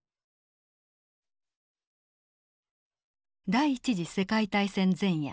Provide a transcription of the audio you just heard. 第一次世界大戦前夜。